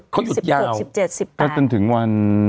เขาหยุดยาวเขาต้นถึงวัน